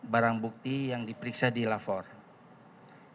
barang bukti yang diperiksa di lapor